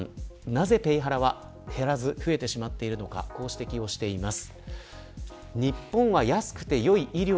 なぜペイハラは減らず増えてしまっているのかこう指摘をしています。